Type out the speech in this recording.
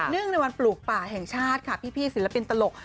ในวันปลูกป่าแห่งชาติค่ะพี่ศิลปินตลก